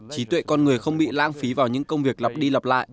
trí tuệ con người không bị lang phí vào những công việc lập đi lập lại